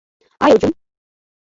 আয়, অর্জুন।